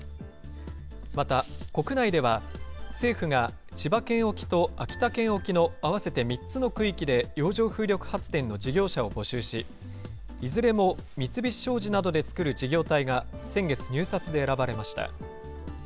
また国内では、政府が、千葉県沖と秋田県沖の合わせて３つの区域で洋上風力発電の事業者を募集し、いずれも三菱商事などで作る事業体が先月、入札で選ばれました。